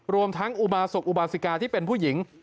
รวมทั้งอุบาสกอุบาสิกาที่เป็นผู้หญิง